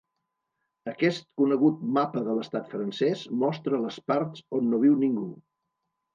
Aquest conegut mapa de l’estat francès mostra les parts on no viu ningú.